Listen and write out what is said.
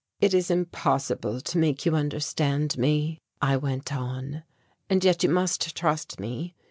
"It is impossible to make you understand me," I went on, "and yet you must trust me.